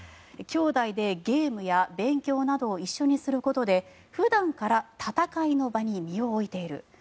兄弟でゲームや勉強などを一緒にすることで普段から戦いの場に身を置いている。